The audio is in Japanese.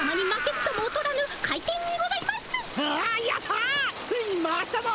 ついに回したぞ！